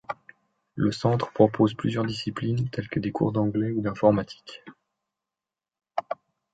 Le centre propose plusieurs disciplines tel que des cours d'Anglais ou d'informatique.